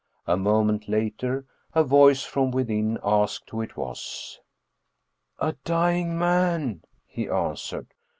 A moment later a voice from within asked who it was. " A dying man," he answered.